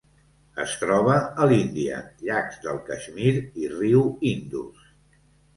Es troba a l'Índia: llacs del Caixmir i riu Indus.